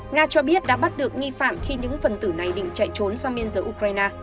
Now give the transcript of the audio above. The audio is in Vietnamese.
nga cho biết đã bắt được nghi phạm khi những phần tử này định chạy trốn sang biên giới ukraine